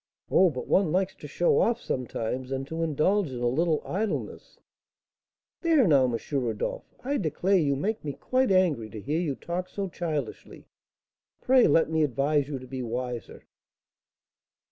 "Oh, but one likes to show off sometimes, and to indulge in a little idleness." "There now, M. Rodolph, I declare you make me quite angry to hear you talk so childishly! Pray let me advise you to be wiser."